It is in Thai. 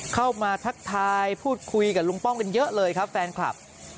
ทักทายพูดคุยกับลุงป้อมกันเยอะเลยครับแฟนคลับ